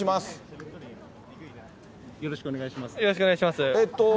よろしくお願いします。